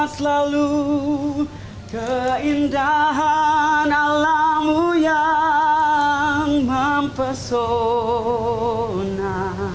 selalu keindahan alam yang mempesona